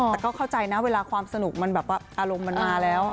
แต่ก็เข้าใจนะเวลาความสนุกมันแบบว่าอารมณ์มันมาแล้ว